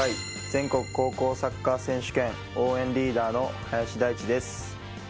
第１００回全国高校サッカー選手権応援リーダーの林大地です。